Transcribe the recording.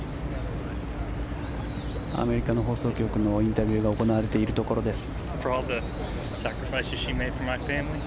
アメリカの放送局のインタビューが行われているところです。